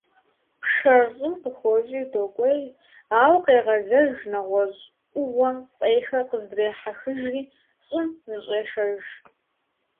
Пшэр щӀым къыхокӀри докӀуей, ауэ къегъэзэж, нэгъуэщӀ Ӏугъуэ фӀейхэр къыздрехьэхыжри, щӀым зыщӀешэж.